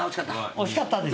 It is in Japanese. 惜しかったで賞。